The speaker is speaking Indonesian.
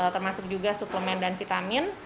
termasuk juga suplemen dan vitamin